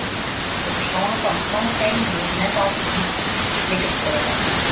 De persoanlike omstannichheden wiene net altiten like fleurich.